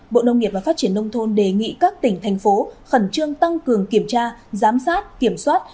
bộ nông nghiệp và phát triển nông thôn đề nghị các tỉnh thành phố khẩn trương tăng cường kiểm tra giám sát kiểm soát